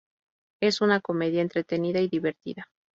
Es una comedia entretenida y divertida.